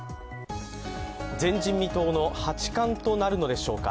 前人未到の八冠となるのでしょうか。